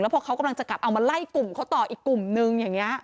แล้วพอเขากำลังจะกลับเอามาไล่กลุ่มเขาต่ออีกกลุ่มหนึ่ง